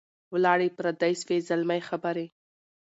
ولاړې پردۍ سوې زلمۍ خبري